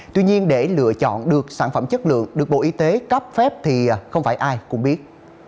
tuy nhiên để lựa chọn được sản phẩm chất lượng được bộ y tế cấp phép thì không phải ai cũng biết